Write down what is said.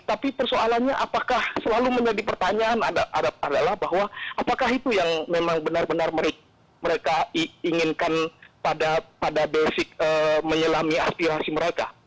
tapi persoalannya apakah selalu menjadi pertanyaan adalah bahwa apakah itu yang memang benar benar mereka inginkan pada basic menyelami aspirasi mereka